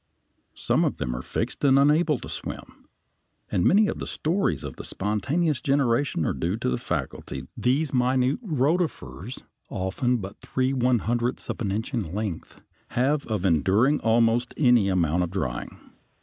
Some of them are fixed and unable to swim, and many of the stories of spontaneous generation are due to the faculty these minute rotifers (often but three one hundredths of an inch in length) have of enduring almost any amount of drying.